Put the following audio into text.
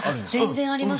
全然あります。